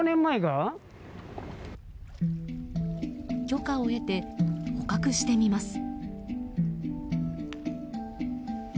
許可を得て、捕獲してみます。